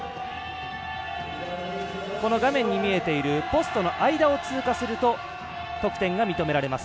画面に見えているポストの間を通過すると得点が認められます。